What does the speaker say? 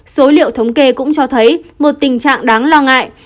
số liệu thống kê cũng cho thấy một tình trạng đáng lo ngại